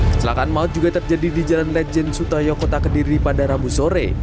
kecelakaan maut juga terjadi di jalan lejen sutoyo kota kediri pada rabu sore